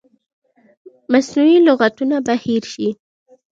مصنوعي لغتونه به هیر شي.